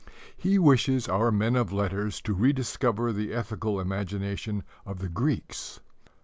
He wishes our men of letters to rediscover the ethical imagination of the Greeks.